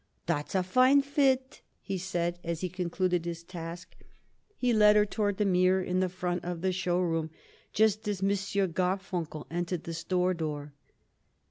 "That's a fine fit," he said, as he concluded his task. He led her toward the mirror in the front of the show room just as M. Garfunkel entered the store door.